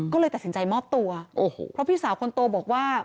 ก็เลยตัดสินใจมอบตัวโอ้โหเพราะพี่สาวคนโตบอกว่า